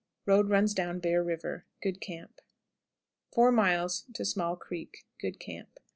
Road runs down Bear River. Good camp. 4. Small Creek. Good camp.